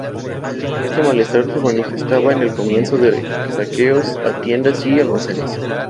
Este malestar se manifestaba en el comienzo de saqueos a tiendas y almacenes.